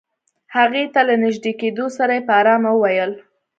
هغې ته له نژدې کېدو سره يې په آرامه وويل.